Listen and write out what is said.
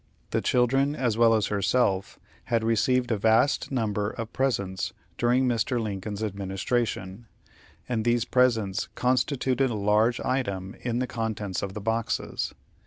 The children, as well as herself, had received a vast number of presents during Mr. Lincoln's administration, and these presents constituted a large item in the contents of the boxes.